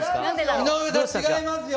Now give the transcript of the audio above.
井上さん違いますよ。